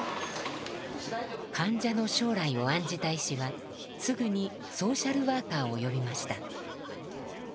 患者の将来を案じた医師はすぐにソーシャルワーカーを呼びました。